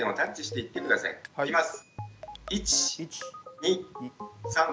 いきます。